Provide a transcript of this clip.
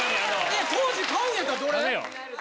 皇治買うんやったらどれ？